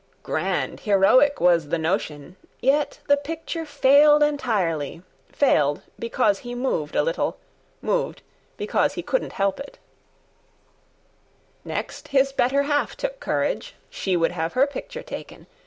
Grand, heroic was the notion: Yet the picture failed entirely: Failed, because he moved a little, Moved, because he couldn't help it. [Picture: First the Governor, the Father] Next, his better half took courage; She would have her picture taken.